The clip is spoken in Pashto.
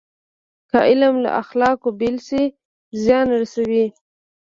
که علم له اخلاقو بېل شي، زیان رسوي.